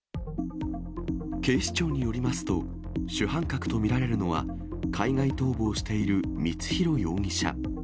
警視庁によりますと、主犯格と見られるのは、海外逃亡している光弘容疑者。